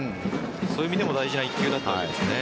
そういう意味でも大事な１球だったんですね。